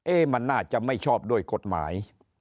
ไอ้เคร่งเนี่ย๑๑๔ราย